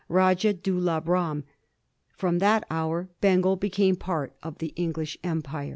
Rajah Dulab Ram. From that hour Bengal became part of the English empire.